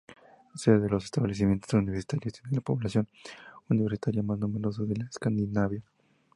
Sede de dos establecimientos universitarios, tiene la población universitaria más numerosa de Escandinavia.